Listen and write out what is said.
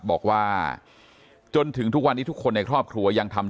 บอกว่าจนถึงทุกวันนี้ทุกคนในครอบครัวยังทำ